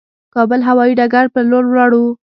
کابل هوايي ډګر پر لور ولاړو.